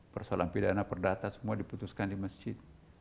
persoalan pidana perdata semua diputuskan di masjid